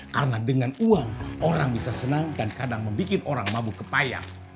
karena dengan uang orang bisa senang dan kadang membuat orang mabuk kepayang